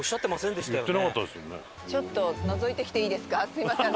すみません